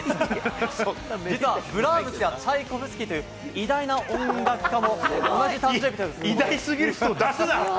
実はブラームスやチャイコフスキーという偉大な音楽家も同じ誕生偉大すぎる人出すな。